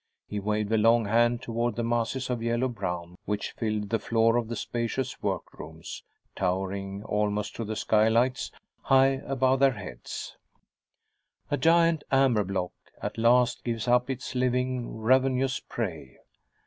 He waved a long hand toward the masses of yellow brown which filled the floor of the spacious workrooms, towering almost to the skylights, high above their heads. [Sidenote: A giant amber block at last gives up its living, ravenous prey.